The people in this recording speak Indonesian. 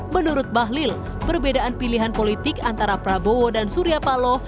menurut bahlil perbedaan pilihan politik antara prabowo dan surya paloh